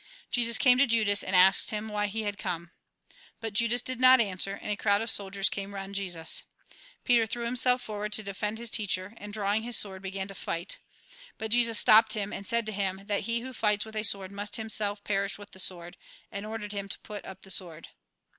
Jesus came to Judas, and asked him, why he had come. But Judas did not answer, and a crowd of soldiers came round Jesus. Peter threw himself forward to defend his teacher, and, drawing his sword, began to fight. But Jesus stopped him, and said to him, that he who fights with a sword must himself perish with the sword, and ordered him to put up the sword.